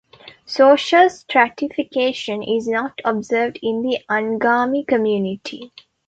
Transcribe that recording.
Social stratification is not observed in the Angami community.